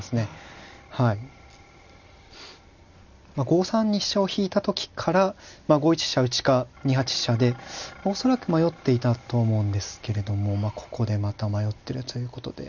５三に飛車を引いた時から５一飛車打か２八飛車で恐らく迷っていたと思うんですけれどもここでまた迷ってるということで。